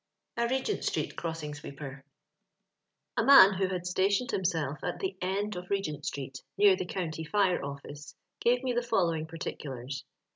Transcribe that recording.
A Regent street Crossing Sweepeb. A MAN who had stationed himself at the end of Regent street, near the County Fire Office, gave me the following particulars.